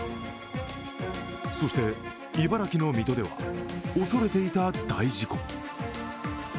そして茨城の水戸では恐れていた大事故が。